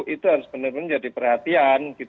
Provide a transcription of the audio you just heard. itu harus benar benar jadi perhatian